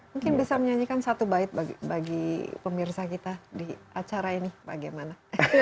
mungkin bisa menyanyikan satu bait bagi pemirsa kita di acara ini bagaimana